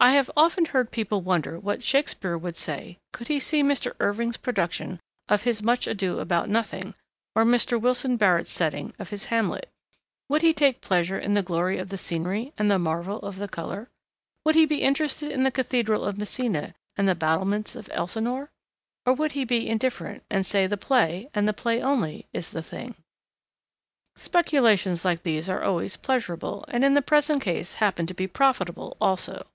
I have often heard people wonder what Shakespeare would say, could he see Mr. Irving's production of his Much Ado About Nothing, or Mr. Wilson Barrett's setting of his Hamlet. Would he take pleasure in the glory of the scenery and the marvel of the colour? Would he be interested in the Cathedral of Messina, and the battlements of Elsinore? Or would he be indifferent, and say the play, and the play only, is the thing? Speculations like these are always pleasurable, and in the present case happen to be profitable also.